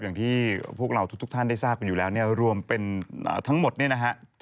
อย่างที่พวกเราทุกท่านได้ทราบกันอยู่แล้วเนี่ยรวมเป็นทั้งหมดเนี่ยนะฮะ